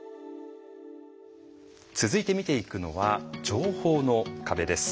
続いて見ていくのは情報の壁です。